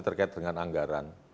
terkait dengan anggaran